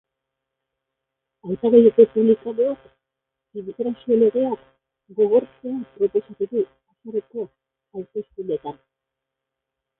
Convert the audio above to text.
Hautagai errepublikanoak inmigrazio legeak gogortzea proposatuko du azaroko hauteskundeetan.